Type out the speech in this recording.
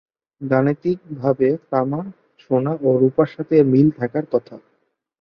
গাণিতিকভাবে তামা, সোনা ও রূপার সাথে এর মিল থাকার কথা।